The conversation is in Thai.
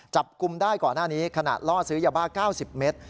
จับกลุ่มได้ก่อนหน้านี้ขณะล่อซื้อยาบ้า๙๐เมตร